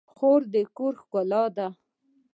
خور د کور ښکلا ده.